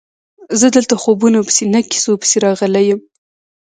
زه دلته خوبونو پسې نه کیسو پسې راغلی یم.